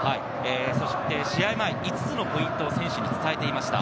試合前５つのポイントを選手に伝えていました。